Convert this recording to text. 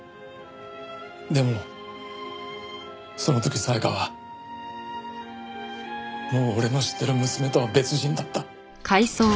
でもその時沙也加はもう俺の知ってる娘とは別人だった。